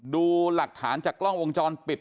ดูหลักฐานจากกล้องวงจรปิด